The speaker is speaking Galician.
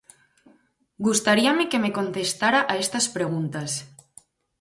Gustaríame que me contestara a estas preguntas.